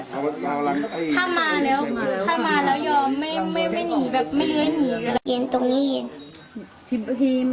ถ้ามาแล้วยอมไม่ยัวย์ทงนี่